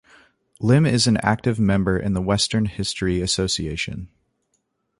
Lim is an active member in the Western History Association.